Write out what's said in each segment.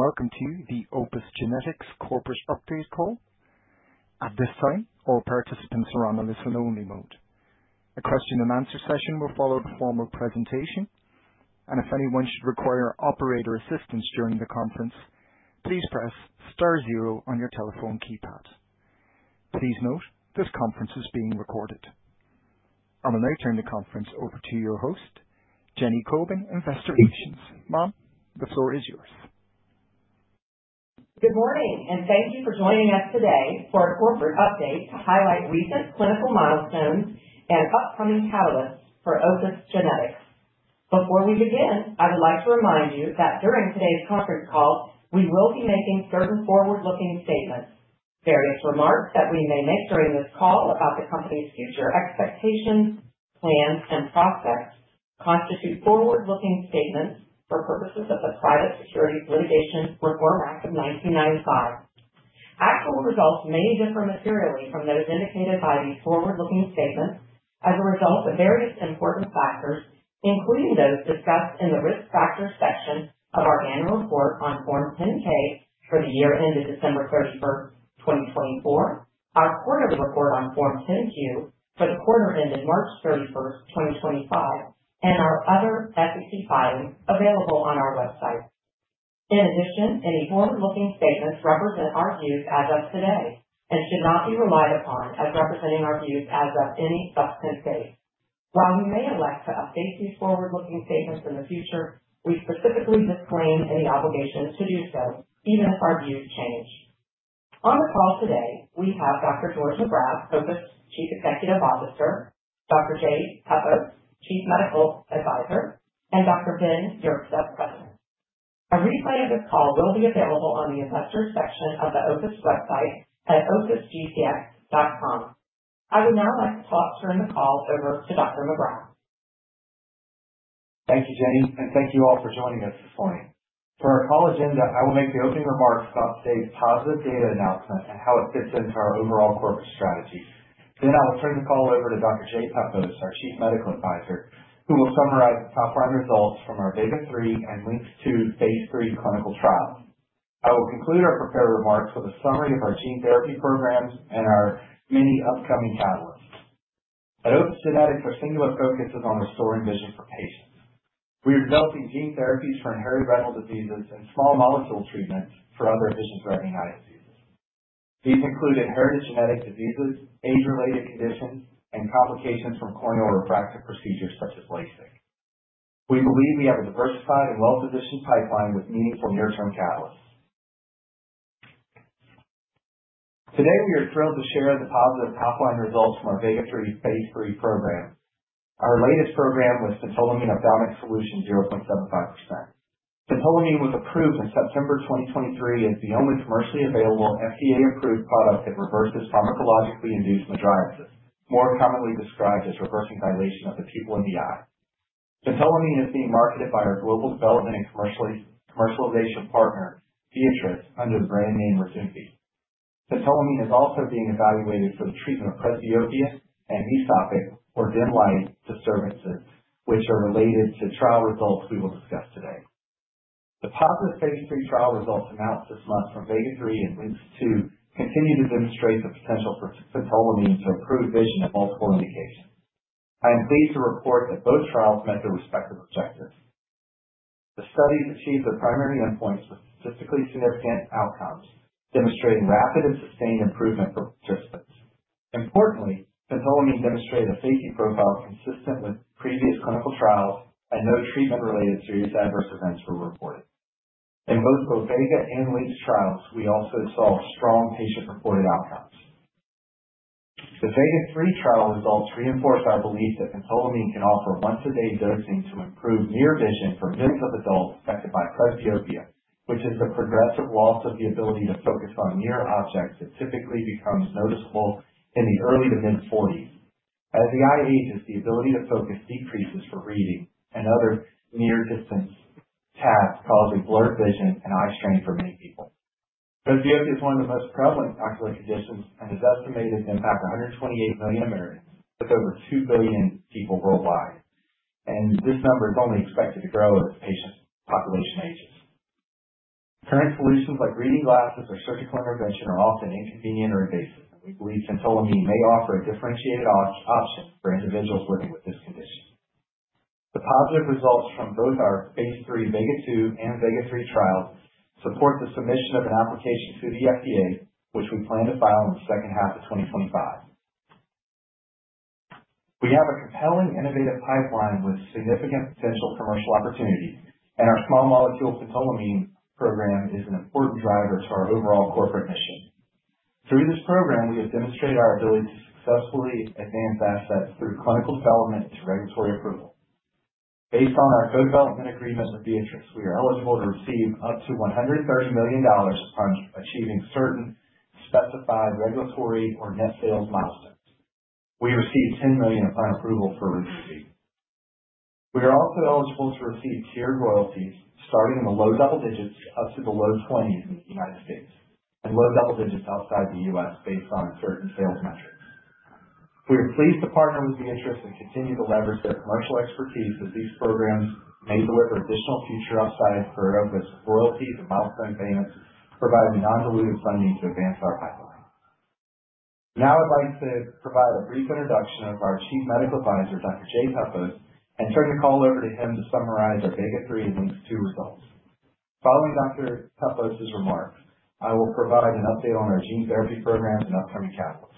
Greetings, and welcome to the Opus Genetics corporate update call. At this time, all participants are in listen-only mode. A question-and-answer session will follow the formal presentation, and if anyone should require operator assistance during the conference, please press star zero on your telephone keypad. Please note this conference is being recorded. I would now turn the conference over to your host, Jenny Kobin, Investor Relations. Ma'am, the floor is yours. Good morning, and thank you for joining us today for a corporate update to highlight recent clinical milestones and upcoming catalysts for Opus Genetics. Before we begin, I would like to remind you that during today's conference call, we will be making certain forward-looking statements. Various remarks that we may make during this call about the company's future expectations, plans, and prospects constitute forward-looking statements for purposes of the Private Securities Litigation Reform Act of 1995. Actual results may differ materially from those indicated by these forward-looking statements as a result of various important factors, including those discussed in the Risk Factors section of our annual report on Form 10-K for the year ended December 31, 2024, our quarterly report on Form 10-Q for the quarter ended March 31, 2025, and our other SEC filings available on our website. In addition, any forward-looking statements represent our views as of today and should not be relied upon as representing our views as of any subsequent date. While we may elect to update these forward-looking statements in the future, we specifically disclaim any obligations to do so, even if our views change. On the call today, we have Dr. George Magrath, Opus Chief Executive Officer, Dr. Jay Pepose, Chief Medical Advisor, and Dr. Ben Yerxa, President. A replay of this call will be available on the investors section of the Opus website at opusgtx.com. I would now like to turn the call over to Dr. Magrath. Thank you, Jenny, and thank you all for joining us this morning. For our call agenda, I will make the opening remarks about today's positive data announcement and how it fits into our overall corporate strategy. I will turn the call over to Dr. Jay Pepose, our Chief Medical Advisor, who will summarize the top-line results from our VEGA-3 and LYNX-2 phase III clinical trials. I will conclude our prepared remarks with a summary of our gene therapy programs and our many upcoming catalysts. At Opus Genetics, our singular focus is on restoring vision for patients. We are developing gene therapies for inherited retinal diseases and small molecule treatments for other vision-threatening eye diseases. These include inherited genetic diseases, age-related conditions, and complications from corneal refractive procedures such as LASIK. We believe we have a diversified and well-positioned pipeline with meaningful near-term catalysts. Today, we are thrilled to share the positive top-line results from our VEGA-3 phase III program. Our latest program was phentolamine ophthalmic solution 0.75%. Phentolamine was approved in September 2023 as the only commercially available FDA-approved product that reverses pharmacologically induced mydriasis, more commonly described as reversing dilation of the pupil in the eye. Phentolamine is being marketed by our global development and commercialization partner, Viatris, under the brand name RYZUMVI. Phentolamine is also being evaluated for the treatment of presbyopia and night vision or dim light disturbances, which are related to trial results we will discuss today. The positive phase III trial results announced this month from VEGA-3 and LYNX-2 continue to demonstrate the potential for phentolamine to improve vision in multiple indications. I am pleased to report that both trials met their respective objectives. The studies achieved their primary endpoints with statistically significant outcomes, demonstrating rapid and sustained improvement for participants. Importantly, phentolamine demonstrated a safety profile consistent with previous clinical trials, and no treatment-related serious adverse events were reported. In both the VEGA and LYNX trials, we also saw strong patient-reported outcomes. The VEGA-3 trial results reinforce our belief that phentolamine can offer once-a-day dosing to improve near vision for millions of adults affected by presbyopia, which is the progressive loss of the ability to focus on near objects that typically becomes noticeable in the early to mid-forties. As the eye ages, the ability to focus decreases for reading and other near-distance tasks, causing blurred vision and eye strain for many people. Presbyopia is one of the most prevalent ocular conditions and is estimated to impact 128 million Americans, with over 2 billion people worldwide. This number is only expected to grow as the patient population ages. Current solutions like reading glasses or surgical intervention are often inconvenient or invasive, and we believe phentolamine may offer a differentiated option for individuals living with this condition. The positive results from both our phase III VEGA-2 and VEGA-3 trials support the submission of an application to the FDA, which we plan to file in the second half of 2025. We have a compelling, innovative pipeline with significant potential commercial opportunity, and our small molecule phentolamine program is an important driver to our overall corporate mission. Through this program, we have demonstrated our ability to successfully advance assets through clinical development to regulatory approval. Based on our co-development agreement with Viatris, we are eligible to receive up to $130 million upon achieving certain specified regulatory or net sales milestones. We received $10 million upon approval for RYZUMVI. We are also eligible to receive tiered royalties starting in the low double digits up to the low twenties in the U.S. and low double digits outside the U.S., based on certain sales metrics. We are pleased to partner with Viatris and continue to leverage their commercial expertise, as these programs may deliver additional future upside for as royalties and milestone payments provide non-dilutive funding to advance our pipeline. Now I'd like to provide a brief introduction of our Chief Medical Advisor, Dr. Jay Pepose, and turn the call over to him to summarize our VEGA-3 and LYNX-2 results. Following Dr. Pepose's remarks, I will provide an update on our gene therapy programs and upcoming catalysts.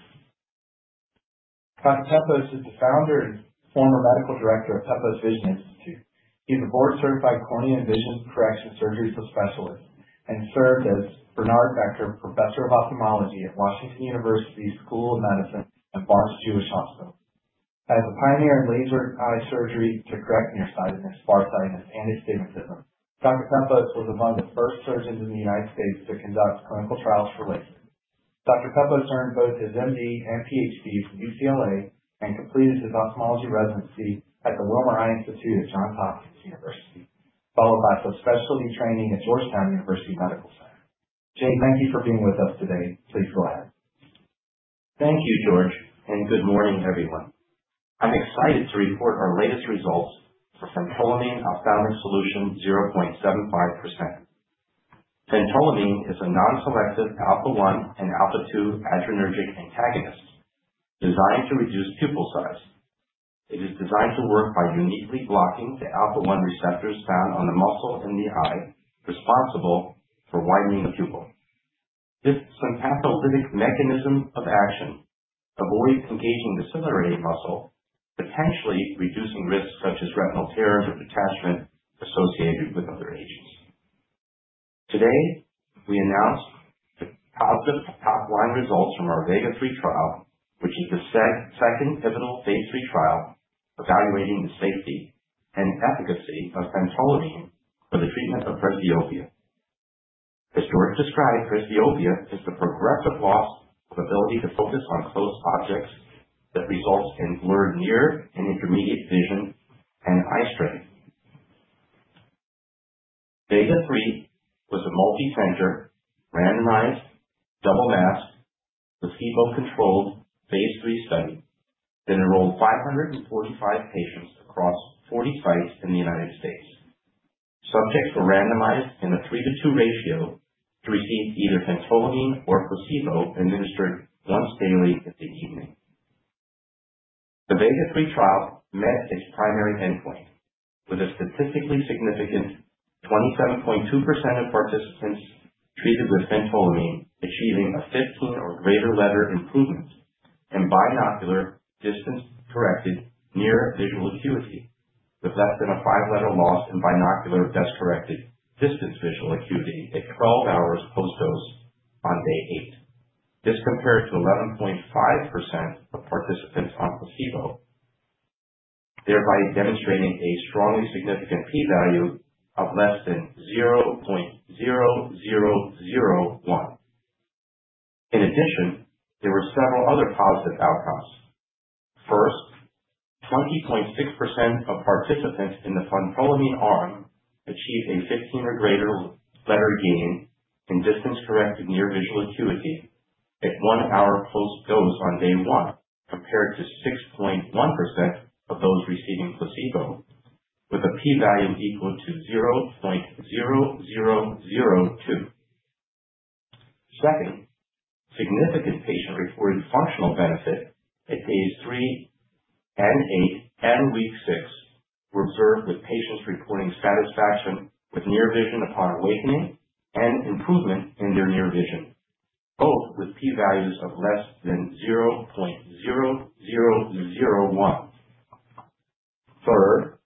Dr. Pepose is the founder and former medical director of Pepose Vision Institute. He's a board-certified cornea and vision correction surgery subspecialist and served as Bernard Becker Professor of Ophthalmology at Washington University School of Medicine and Barnes-Jewish Hospital. As a pioneer in laser eye surgery to correct nearsightedness, farsightedness, and astigmatism, Dr. Pepose was among the first surgeons in the United States to conduct clinical trials for LASIK. Dr. Pepose earned both his MD and PhD from UCLA and completed his ophthalmology residency at the Wilmer Eye Institute at Johns Hopkins University, followed by subspecialty training at Georgetown University Medical Center. Jay, thank you for being with us today. Please go ahead. Thank you, George, and good morning, everyone. I'm excited to report our latest results for phentolamine ophthalmic solution 0.75%. Phentolamine is a non-selective alpha-1 and alpha-2 adrenergic antagonist designed to reduce pupil size. It is designed to work by uniquely blocking the alpha-1 receptors found on the muscle in the eye responsible for widening the pupil. This sympatholytic mechanism of action avoids engaging the ciliary muscle, potentially reducing risks such as retinal tears or detachment associated with other agents. Today, we announced the positive top-line results from our VEGA-3 trial, which is the second pivotal phase III trial evaluating the safety and efficacy of phentolamine for the treatment of presbyopia. As George described, presbyopia is the progressive loss of ability to focus on close objects that results in blurred near and intermediate vision and eye strain. VEGA-3 was a multicenter, randomized, double-masked, placebo-controlled phase III study that enrolled 545 patients across 40 sites in the United States. Subjects were randomized in a 3:2 ratio to receive either phentolamine or placebo administered once daily in the evening. The VEGA-3 trial met its primary endpoint, with a statistically significant 27.2% of participants treated with phentolamine achieving a 15 or greater letter improvement in binocular distance-corrected near visual acuity, with less than a 5-letter loss in binocular best-corrected distance visual acuity at 12 hours post-dose on day eight. This compared to 11.5% of participants on placebo, thereby demonstrating a strongly significant P value of less than 0.0001. In addition, there were several other positive outcomes. First, 20.6% of participants in the phentolamine arm achieved a 15 or greater letter gain in distance-corrected near visual acuity at one hour post-dose on day one, compared to 6.1% of those receiving placebo, with a P value equal to 0.0002. Second, significant patient-reported functional benefit at days three and eight and week six were observed, with patients reporting satisfaction with near vision upon awakening and improvement in their near vision, both with P values of less than 0.0001. Third,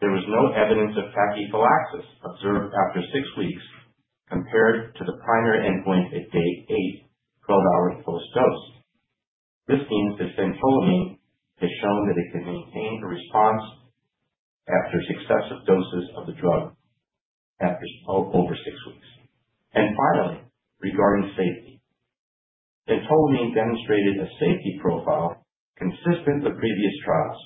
there was no evidence of tachyphylaxis observed after six weeks compared to the primary endpoint at day eight, 12 hours post-dose. This means that phentolamine has shown that it can maintain a response after successive doses of the drug over six weeks. Finally, regarding safety, phentolamine demonstrated a safety profile consistent with previous trials,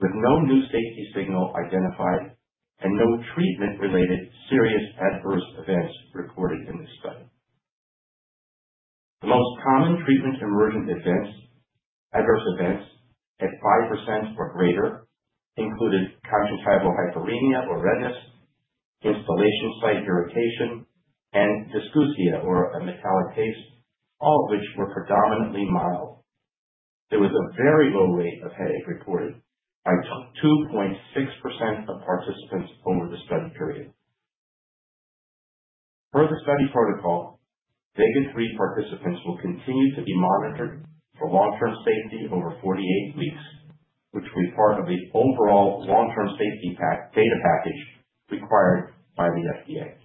with no new safety signal identified and no treatment-related serious adverse events reported in this study. The most common treatment-emergent adverse events at 5% or greater included conjunctival hyperemia or redness, instillation site irritation, and dysgeusia or a metallic taste, all of which were predominantly mild. There was a very low rate of headache reported by 2.6% of participants over the study period. Per the study protocol, VEGA-3 participants will continue to be monitored for long-term safety over 48 weeks, which will be part of the overall long-term safety data package required by the FDA.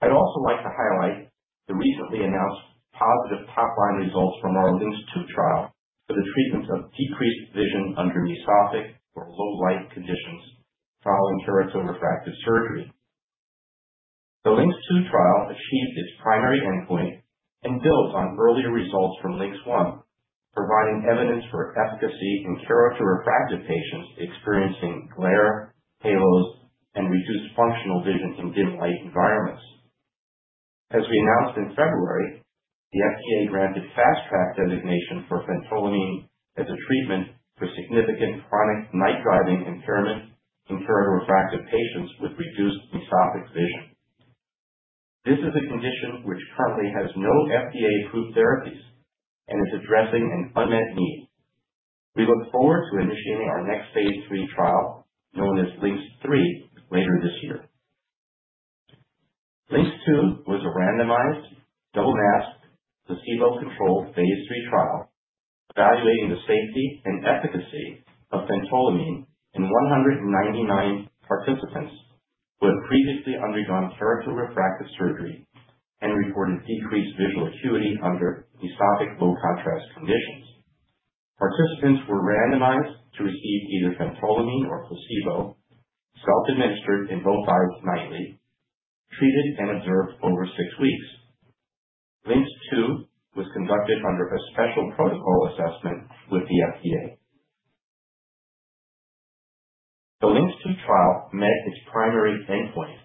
I'd also like to highlight the recently announced positive top-line results from our LYNX-2 trial for the treatment of decreased vision under mesopic or low light conditions following keratorefractive surgery. The LYNX-2 trial achieved its primary endpoint and builds on earlier results from LYNX-1, providing evidence for efficacy in keratorefractive patients experiencing glare, halos, and reduced functional vision in dim light environments. As we announced in February, the FDA granted Fast Track designation for phentolamine as a treatment for significant chronic night driving impairment in keratorefractive patients with reduced mesopic vision. This is a condition which currently has no FDA-approved therapies and is addressing an unmet need. We look forward to initiating our next phase III trial, known as LYNX-3, later this year. LYNX-2 was a randomized, double-masked, placebo-controlled phase III trial evaluating the safety and efficacy of phentolamine in 199 participants who had previously undergone keratorefractive surgery and reported decreased visual acuity under mesopic low contrast conditions. Participants were randomized to receive either phentolamine or placebo, self-administered in both eyes nightly, treated and observed over six weeks. LYNX-2 was conducted under a special protocol assessment with the FDA. The LYNX-2 trial met its primary endpoint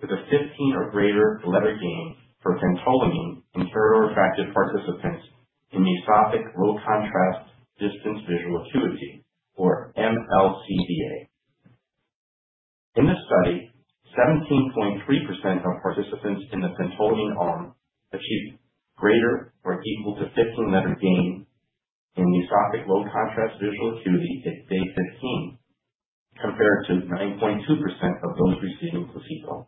with a 15 or greater letter gain for phentolamine in keratorefractive participants in mesopic low contrast distance visual acuity, or MLCDA. In this study, 17.3% of participants in the phentolamine arm achieved greater or equal to 15 letter gain in mesopic low contrast visual acuity at day 15, compared to 9.2% of those receiving placebo.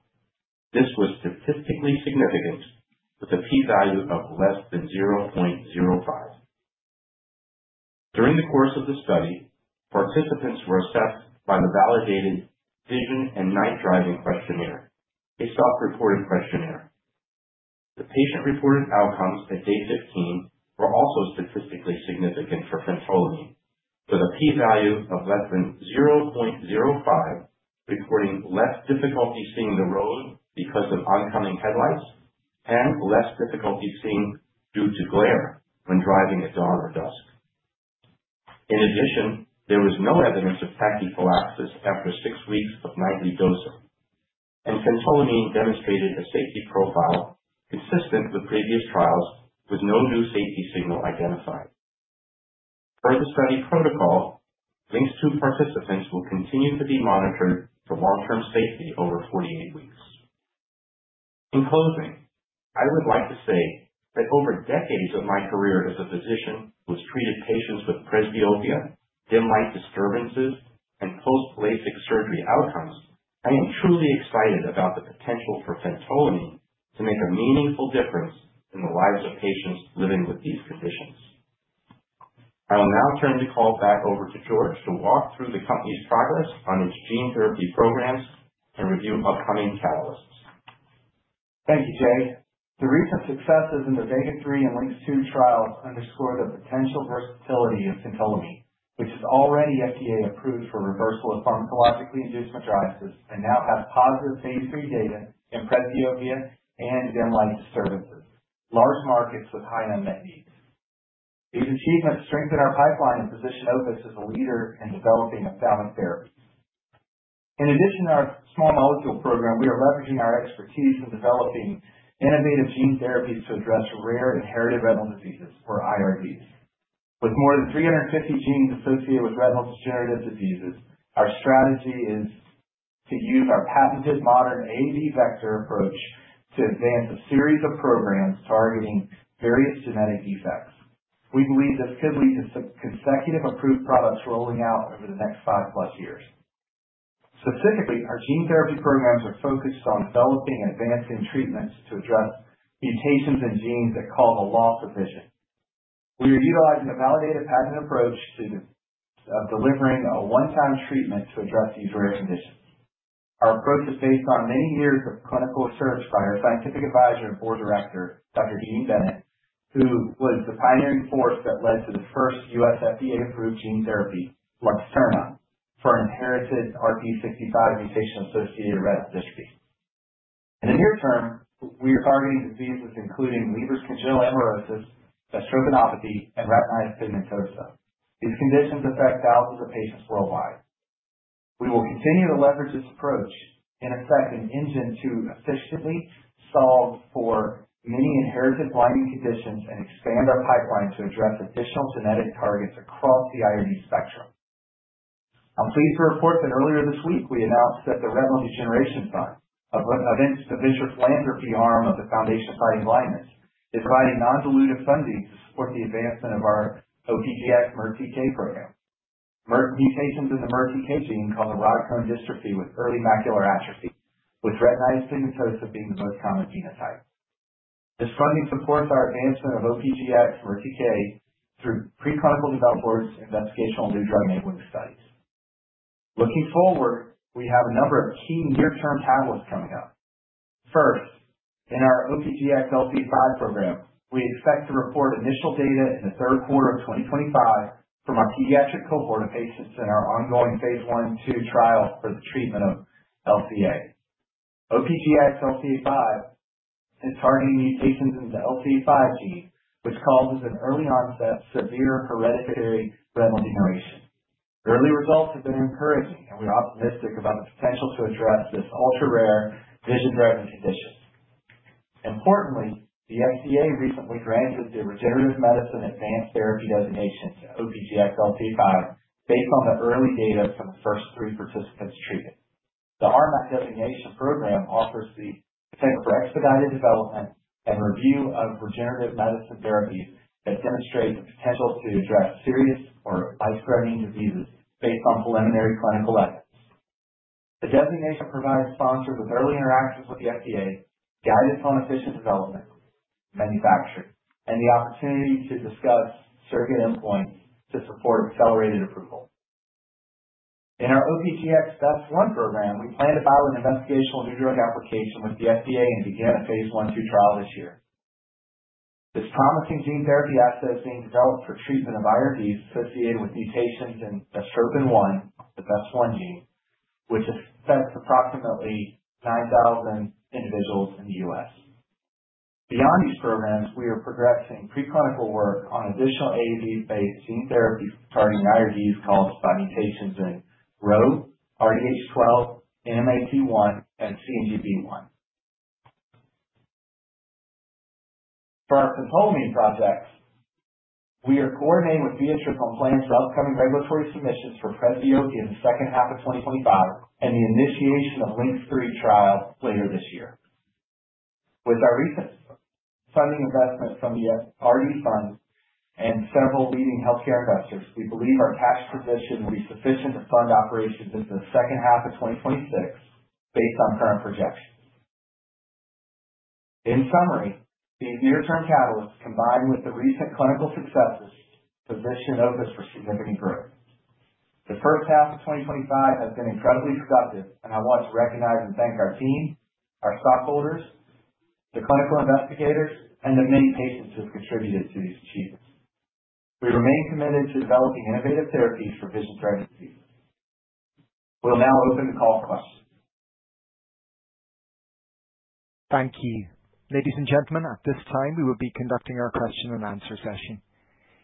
This was statistically significant with a P value of less than 0.05. During the course of the study, participants were assessed by the validated Vision and Night Driving Questionnaire, a self-reported questionnaire. The patient-reported outcomes at day 15 were also statistically significant for phentolamine, with a P value of less than 0.05, reporting less difficulty seeing the road because of oncoming headlights and less difficulty seeing due to glare when driving at dawn or dusk. In addition, there was no evidence of tachyphylaxis after six weeks of nightly dosing, and phentolamine demonstrated a safety profile consistent with previous trials, with no new safety signal identified. Per the study protocol, LYNX-2 participants will continue to be monitored for long-term safety over 48 weeks. In closing, I would like to say that over decades of my career as a physician who has treated patients with presbyopia, dim light disturbances, and post-LASIK surgery outcomes, I am truly excited about the potential for phentolamine to make a meaningful difference in the lives of patients living with these conditions. I will now turn the call back over to George to walk through the company's progress on its gene therapy programs and review upcoming catalysts. Thank you, Jay. The recent successes in the VEGA-3 and LYNX-2 trials underscore the potential versatility of phentolamine, which is already FDA-approved for reversal of pharmacologically induced mydriasis and now has positive phase III data in presbyopia and dim light disturbances, large markets with high unmet needs. These achievements strengthen our pipeline and position Opus as a leader in developing ophthalmic therapies. In addition to our small molecule program, we are leveraging our expertise in developing innovative gene therapies to address rare inherited retinal diseases or IRDs. With more than 350 genes associated with retinal degenerative diseases, our strategy is to use our patented modern AAV vector approach to advance a series of programs targeting various genetic defects. We believe this could lead to some consecutive approved products rolling out over the next 5+ years. Specifically, our gene therapy programs are focused on developing and advancing treatments to address mutations in genes that cause a loss of vision. We are utilizing a validated, patented approach to delivering a one-time treatment to address these rare conditions. Our approach is based on many years of clinical service by our scientific advisor and board director, Dr. Jean Bennett, who was the pioneering force that led to the first U.S. FDA-approved gene therapy, Luxturna, for inherited RPE65 mutation-associated retinitis pigmentosa. In the near term, we are targeting diseases including Leber's congenital amaurosis, Best retinopathy, and retinitis pigmentosa. These conditions affect thousands of patients worldwide. We will continue to leverage this approach and effective engine to efficiently solve for many inherited blinding conditions and expand our pipeline to address additional genetic targets across the IRD spectrum. I'm pleased to report that earlier this week, we announced that the Retinal Degeneration Fund, the venture philanthropy arm of the Foundation Fighting Blindness, is providing non-dilutive funding to support the advancement of our OPGx-MERTK program. Mutations in the MERTK gene cause rod-cone dystrophy with early macular atrophy, with retinitis pigmentosa being the most common genotype. This funding supports our advancement of OPGx-MERTK through pre-clinical development and investigational new drug-enabling studies. Looking forward, we have a number of key near-term catalysts coming up. First, in our OPGx-LCA5 program, we expect to report initial data in the third quarter of 2025 from our pediatric cohort of patients in our ongoing phase I/II trial for the treatment of LCA. OPGx-LCA5 is targeting mutations in the LCA5 gene, which causes an early-onset severe hereditary retinal degeneration. The early results have been encouraging, and we're optimistic about the potential to address this ultra-rare vision-threatening condition. Importantly, the FDA recently granted the Regenerative Medicine Advanced Therapy designation to OPGx-LCA5 based on the early data from the first three participants treated. The RMAT designation program offers the potential for expedited development and review of regenerative medicine therapies that demonstrate the potential to address serious or life-threatening diseases based on preliminary clinical evidence. The designation provides sponsors with early interactions with the FDA, guidance on efficient development, manufacturing, and the opportunity to discuss surrogate endpoints to support accelerated approval. In our OPGx-BEST1 program, we plan to file an investigational new drug application with the FDA and begin a phase I/II trial this year. This promising gene therapy asset is being developed for treatment of IRDs associated with mutations in bestrophin-1, the BEST1 gene, which affects approximately 9,000 individuals in the U.S. Beyond these programs, we are progressing pre-clinical work on additional AAV-based gene therapy targeting IRDs caused by mutations in RHO, RDH12, NMNAT1, and CNGB1. For our phentolamine projects, we are coordinating with Viatris on plans for upcoming regulatory submissions for presbyopia in the second half of 2025 and the initiation of LYNX-3 later this year. With our recent funding investment from the RD Fund and several leading healthcare investors, we believe our cash position will be sufficient to fund operations into the second half of 2026 based on current projections. In summary, these near-term catalysts, combined with the recent clinical successes, position Opus for significant growth. The first half of 2025 has been incredibly productive, and I want to recognize and thank our team, our stockholders, the clinical investigators, and the many patients who have contributed to these achievements. We remain committed to developing innovative therapies for vision-threatening diseases. We'll now open the call for questions. Thank you. Ladies and gentlemen, at this time we will be conducting our question and answer session.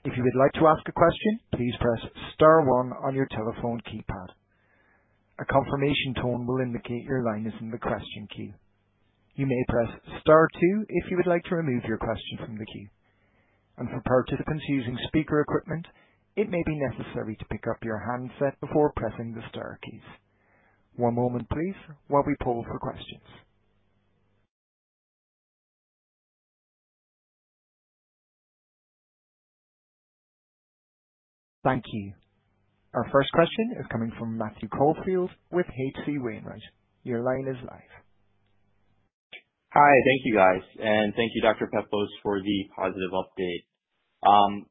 If you would like to ask a question, please press star one on your telephone keypad. A confirmation tone will indicate your line is in the question queue. You may press star two if you would like to remove your question from the queue. For participants using speaker equipment, it may be necessary to pick up your handset before pressing the star keys. One moment, please, while we poll for questions. Thank you. Our first question is coming from Matthew Caufield with H.C. Wainwright. Your line is live. Hi. Thank you, guys. Thank you, Dr. Pepose, for the positive update.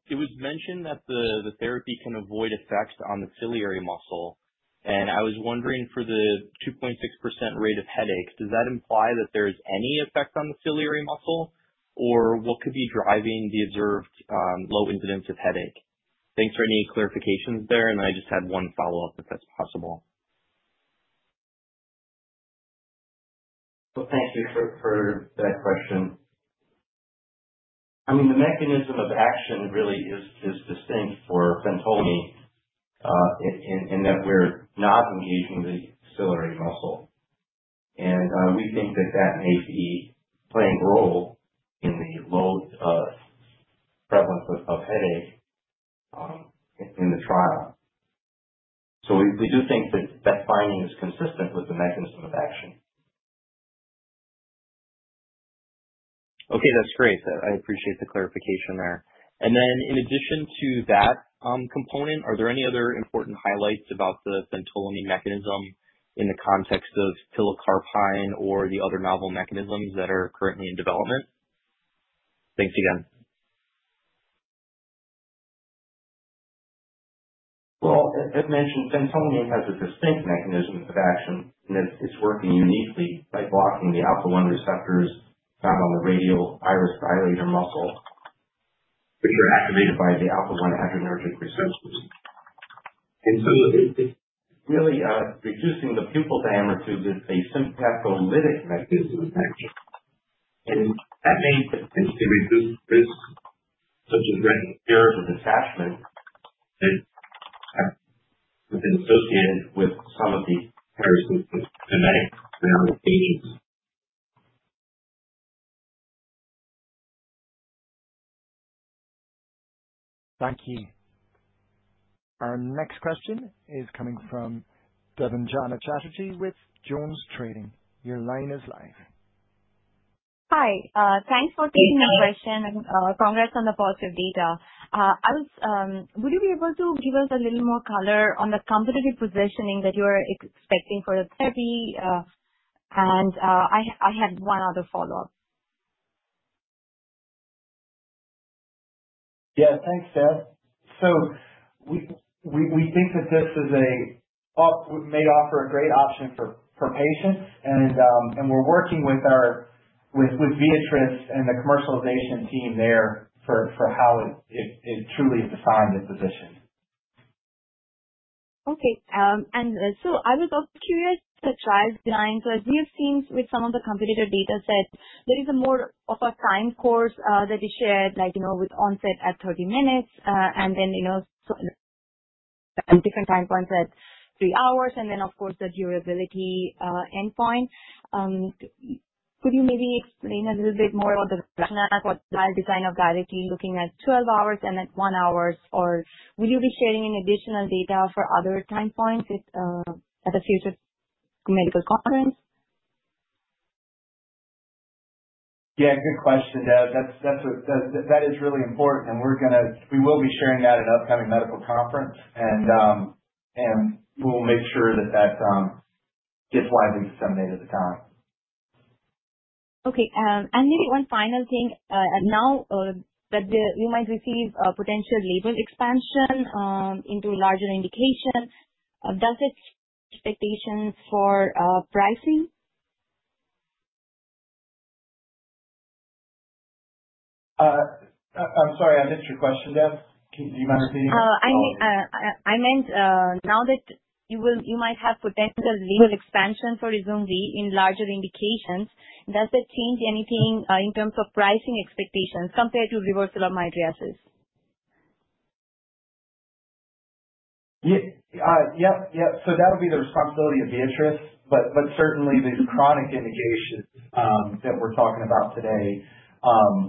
It was mentioned that the therapy can avoid effects on the ciliary muscle. I was wondering, for the 2.6% rate of headaches, does that imply that there is any effect on the ciliary muscle or what could be driving the observed low incidence of headache? Thanks for any clarifications there, and I just had one follow-up, if that's possible. Well, thank you for that question. The mechanism of action really is distinct for phentolamine in that we're not engaging the ciliary muscle. We think that that may be playing a role in the low prevalence of headache in the trial. We do think that finding is consistent with the mechanism of action. Okay, that's great. I appreciate the clarification there. In addition to that component, are there any other important highlights about the phentolamine mechanism in the context of pilocarpine or the other novel mechanisms that are currently in development? Thanks again. Well, as mentioned, phentolamine has a distinct mechanism of action, and it's working uniquely by blocking the alpha-1 receptors found on the radial iris dilator muscle, which are activated by the alpha-1 adrenergic receptors. It's really reducing the pupil diameter. This is a sympatholytic mechanism of action, and that may tend to reduce risk, such as retinal detachment, that have been associated with some of these hereditary genetic retinal diseases. Thank you. Our next question is coming from Debanjana Chatterjee with JonesTrading. Your line is live. Hi. Thanks for taking my question, and congrats on the positive data. Would you be able to give us a little more color on the competitive positioning that you are expecting for the therapy? I had one other follow-up. Yeah, thanks, Deb. We think that this may offer a great option for patients, and we're working with Viatris and the commercialization team there for how it truly is defined, the position. Okay. I was also curious, the trial design, so as we have seen with some of the competitor data sets, there is a more of a time course that is shared, like with onset at 30 minutes, and then, you know, at different time points at three hours, and then of course, the durability endpoint. Could you maybe explain a little bit more about the rationale for trial design of VEGA-3, looking at 12 hours and at one hour? Or will you be sharing any additional data for other time points at a future medical conference? Yeah. Good question, Deb. That is really important, and we will be sharing that at an upcoming medical conference, and we will make sure that gets widely disseminated at the time. Okay. Maybe one final thing. Now that you might receive potential label expansion into larger indications, does it change expectations for pricing? I'm sorry, I missed your question, Deb. Do you mind repeating that? I meant, now that you might have potential label expansion for RYZUMVI in larger indications, does it change anything in terms of pricing expectations compared to reversal of mydriasis? Yep. That'll be the responsibility of Viatris. Certainly, these chronic indications that we're talking about today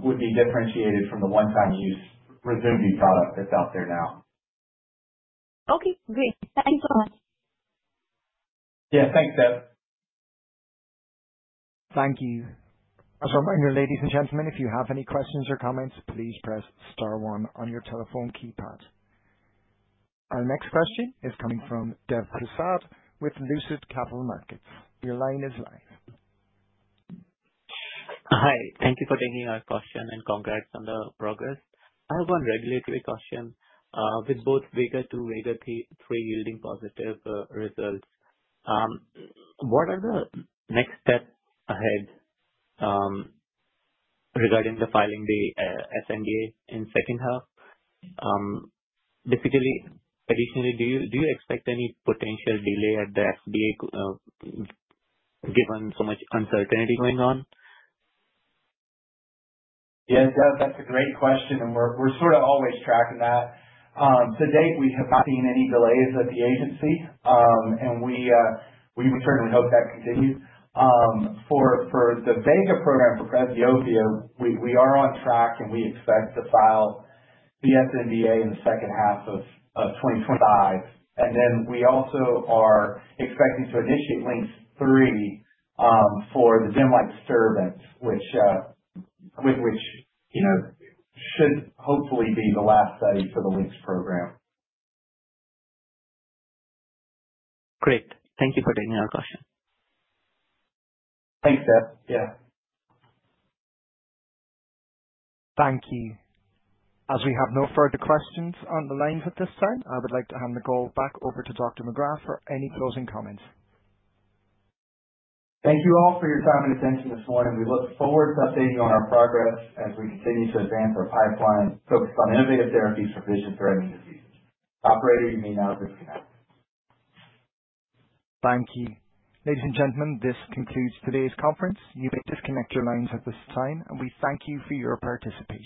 would be differentiated from the one-time use RYZUMVI product that's out there now. Okay, great. Thanks so much. Yeah. Thanks, Deb. Thank you. As a reminder, ladies and gentlemen, if you have any questions or comments, please press star one on your telephone keypad. Our next question is coming from Dev Prasad with Lucid Capital Markets. Your line is live. Hi. Thank you for taking our question, and congrats on the progress. I have one regulatory question. With both VEGA-2, VEGA-3 yielding positive results, what are the next steps ahead regarding filing the sNDA in second half? Additionally, do you expect any potential delay at the FDA, given so much uncertainty going on? Yeah. Dev, that's a great question, and we're sort of always tracking that. To date, we have not seen any delays at the agency. We certainly hope that continues. For the VEGA program for presbyopia, we are on track, and we expect to file the sNDA in the second half of 2025. Then we also are expecting to initiate LYNX-3 for the dim light disturbance, which should hopefully be the last study for the LYNX program. Great. Thank you for taking our question. Thanks, Dev. Yeah. Thank you. As we have no further questions on the lines at this time, I would like to hand the call back over to Dr. Magrath for any closing comments. Thank you all for your time and attention this morning. We look forward to updating you on our progress as we continue to advance our pipeline focused on innovative therapies for vision-threatening diseases. Operator, you may now disconnect. Thank you. Ladies and gentlemen, this concludes today's conference. You may disconnect your lines at this time, and we thank you for your participation.